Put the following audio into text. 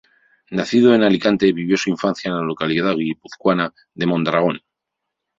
Nacido en Alicante, vivió su infancia en la localidad guipuzcoana de Mondragón.